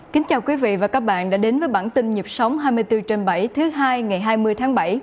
kính chào quý vị và các bạn đã đến với bản tin nhịp sống hai mươi bốn trên bảy thứ hai ngày hai mươi tháng bảy